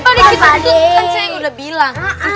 pakde kita tuh kan saya yang udah bilang